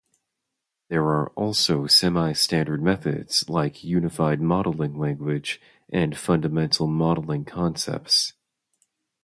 There are also semi-standard methods like Unified Modeling Language and Fundamental modeling concepts.